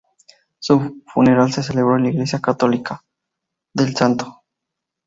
Su funeral se celebró en la iglesia católica de St.